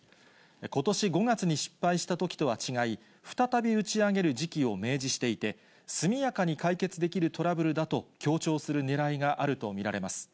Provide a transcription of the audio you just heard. ことし５月に失敗したときとは違い、再び打ち上げる時期を明示していて、速やかに解決できるトラブルだと強調するねらいがあると見られます。